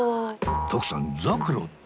徳さんざくろって？